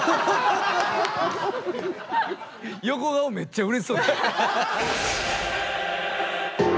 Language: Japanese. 横顔めっちゃうれしそうでした。